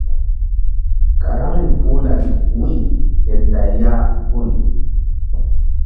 Karaŋri puh lari wu̧y ke nday ya gun.